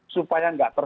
supaya enggak terus